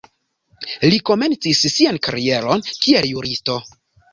Li komencis sian karieron kiel juristo.